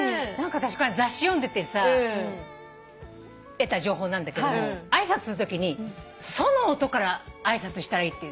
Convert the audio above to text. あたしこの間雑誌読んでてさ得た情報なんだけども挨拶するときにソの音から挨拶したらいいっていうの。